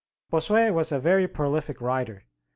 Bossuet was a very prolific writer.